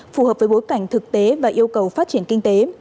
phù hợp với bối cảnh thực tế và yêu cầu phát triển kinh tế